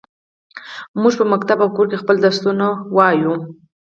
موږ په ښوونځي او کور کې خپل درسونه لولو.